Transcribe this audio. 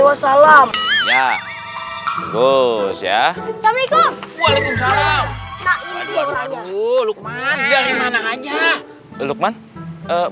wasallam ya bos ya assalamualaikum waalaikumsalam